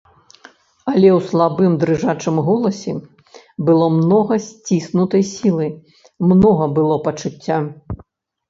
Але ў слабым дрыжачым голасе было многа сціснутай сілы, многа было пачуцця.